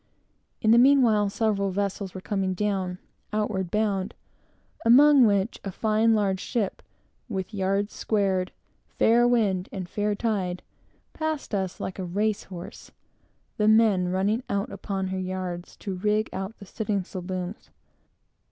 In the meantime, several vessels were coming down, outward bound; among which, a fine, large ship, with yards squared, fair wind and fair tide, passed us like a race horse, the men running out upon her yards to rig out the studding sail booms.